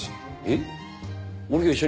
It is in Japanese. えっ？